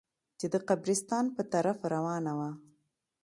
چې د قبرستان په طرف روانه وه.